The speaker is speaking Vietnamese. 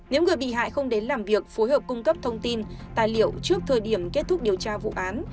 nếu người bị hại không đến làm việc phối hợp cung cấp thông tin tài liệu trước thời điểm kết thúc điều tra vụ án